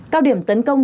cao điểm tấn công